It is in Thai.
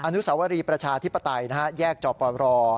อนุสาวรีประชาธิปไตยแยกจอปร